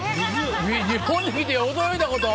日本に来て驚いたこと？